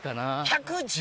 １１０？